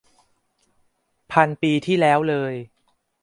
พันปีที่แล้วเลย